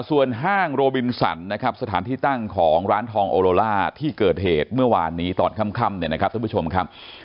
ส่วนห้างโรบินสันนะครับสถานที่ตั้งของร้านทองโอโลล่าที่เกิดเหตุเมื่อวานนี้ตอนค่ำเนี่ยนะครับท่านผู้ชมครับ